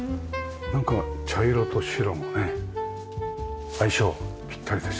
なんか茶色と白のね相性ぴったりですよね。